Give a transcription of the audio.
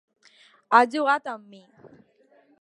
Has jugat amb mi.